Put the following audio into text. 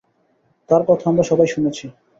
তার কথা আমরা সবাই শুনেছি!